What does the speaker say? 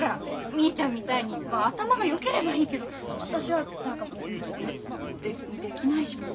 みーちゃんみたいにまあ頭がよければいいけど私は何かもうででできないしもう。